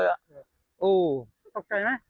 อู้วตกใจไหม